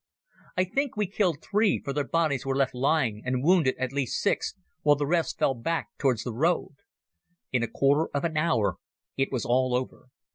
I think we killed three, for their bodies were left lying, and wounded at least six, while the rest fell back towards the road. In a quarter of an hour it was all over.